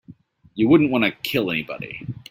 You wouldn't want to kill anybody.